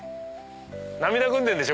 涙ぐんでるでしょ